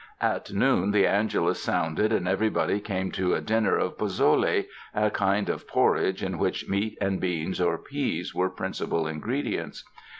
At noon, the angelus sounded and everybody came to a dinner of pozole, a kind of porridge in which meat and beans or peas were prin cipal ingredients.